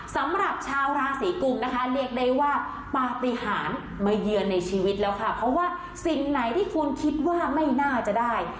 สำหรับชาวราศีกุมนะคะเรียกได้ว่าปฏิหารมาเยือนในชีวิตแล้วค่ะเพราะว่าสิ่งไหนที่คุณคิดว่าไม่น่าจะได้